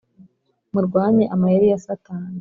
Murwanye amayeri ya satani